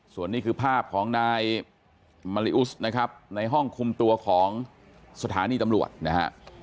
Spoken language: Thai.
ส่วนนี้คือภาพของนายมาริอุสนะครับในห้องคุมตัวของสถานีตำรวจนะฮะ